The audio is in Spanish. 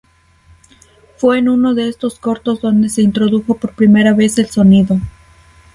Fue en uno de estos cortos donde se introdujo por primera vez el sonido.